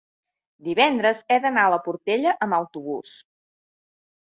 divendres he d'anar a la Portella amb autobús.